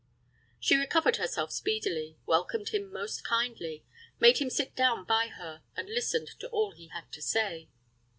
She recovered herself speedily, welcomed him most kindly, made him sit down by her, and listened to all he had to say.